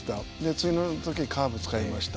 次の時カーブ使いました。